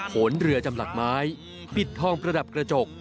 ขนเรือจำหลักไม้ปิดทองประดับกระจก